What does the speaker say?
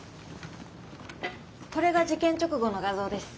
これが事件直後の画像です。